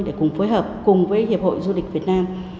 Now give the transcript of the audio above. để cùng phối hợp cùng với hiệp hội du lịch việt nam